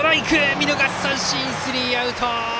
見逃し三振スリーアウト！